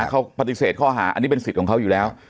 เขาปฏิเสธข้อหาอันนี้เป็นสิทธิ์ของเขาอยู่แล้ว